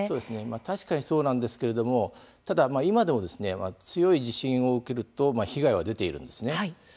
確かにそうですなんですがただ、今でも強い地震だと被害は出ているんです。